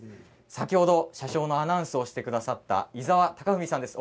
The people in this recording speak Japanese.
先ほど車掌のアナウンスをしてくださった井澤孝文さんです。